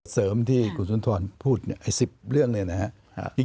เสริมที่กุศุนทรพูดไอ้๑๐เรื่องนี้นะครับ